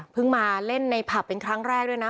มาเล่นในผับเป็นครั้งแรกด้วยนะ